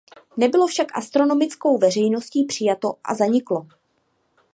Nebylo však astronomickou veřejností přijato a zaniklo.